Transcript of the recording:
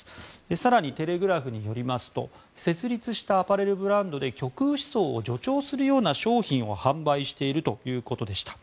更に、テレグラフによりますと設立したアパレルブランドで極右思想を助長するような商品を販売しているということでした。